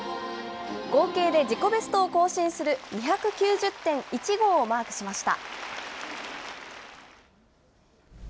合計で自己ベストを更新する２９０．１５をマークしました。